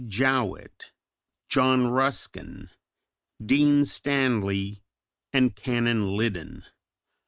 Jowett, John Ruskin, Dean Stanley, and Canon Liddon.